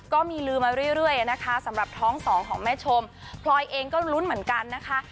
ก็มีลืมมาเรื่อยนะคะสำหรับท้องสองของแม่ชมพลอยเองก็ลุ้นเหมือนกันนะคะ